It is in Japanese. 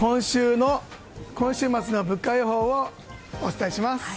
今週末の物価予報をお伝えします。